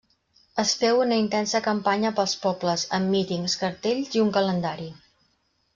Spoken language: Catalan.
Es féu una intensa campanya pels pobles, amb mítings, cartells i un calendari.